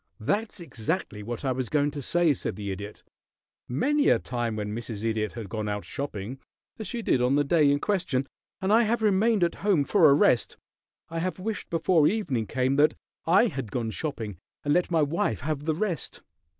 "That's exactly what I was going to say," said the Idiot. "Many a time when Mrs. Idiot has gone out shopping, as she did on the day in question, and I have remained at home for a rest, I have wished before evening came that I had gone shopping and let my wife have the rest.